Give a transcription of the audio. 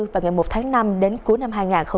và ngày một tháng năm đến cuối năm hai nghìn hai mươi ba